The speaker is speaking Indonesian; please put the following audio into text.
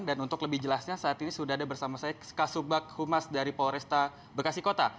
dan untuk lebih jelasnya saat ini sudah ada bersama saya kasubag humas dari polresta bekasi kota